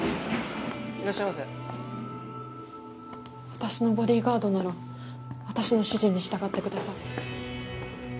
私のボディーガードなら私の指示に従ってください。